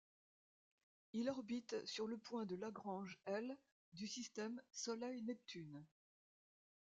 Il orbite sur le point de Lagrange L du système Soleil-Neptune.